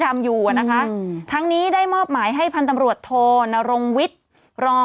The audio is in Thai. ทำอยู่อ่ะนะคะทั้งนี้ได้มอบหมายให้พันธ์ตำรวจโทนรงวิทย์รอง